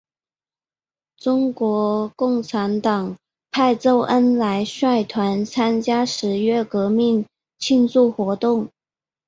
中国共产党派周恩来率团参加十月革命庆祝活动。